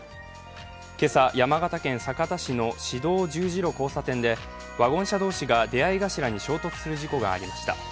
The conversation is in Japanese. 今朝、山形県酒田市の市道十字路交差点でワゴン車同士が出会い頭に衝突する事故がありました。